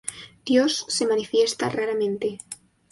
Dios se manifiesta raramente.